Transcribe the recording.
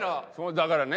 だからね